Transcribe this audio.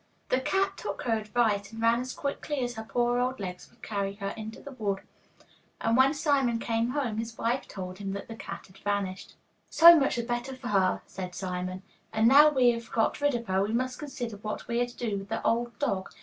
The cat took her advice, and ran as quickly as her poor old legs would carry her into the wood, and when Simon came home, his wife told him that the cat had vanished. 'So much the better for her,' said Simon. 'And now we have got rid of her, we must consider what we are to do with the old dog.